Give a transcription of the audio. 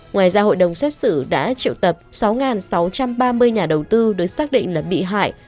ngoài ra hội đồng xét xử đã triệu tập sáu sáu trăm ba mươi nhà đầu tư được xác định là bị hại